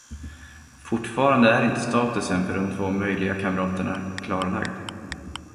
Fortfarande är inte statusen för de två möjliga kamraterna klarlagd.